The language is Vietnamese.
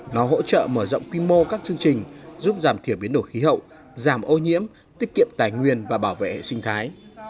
nó hỗ trợ mở rộng quy mô các chương trình giúp giảm thiểu biến đổi khí hậu giảm ô nhiễm tiết kiệm tài nguyên và bảo vệ hệ sinh thái